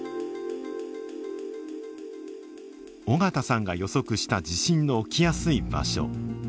尾形さんが予測した地震の起きやすい場所。